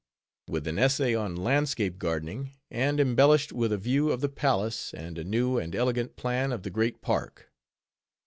_with an Essay on Landscape Gardening: and embellished with a View of the Palace, and a New and Elegant Plan of the Great Park."